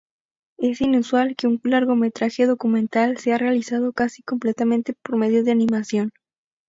Es inusual que un largometraje documental sea realizado casi completamente por medios de animación.